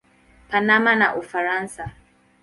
Panama na Ufaransa.